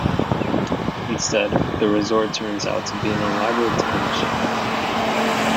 Instead, the resort turns out to be an elaborate time machine.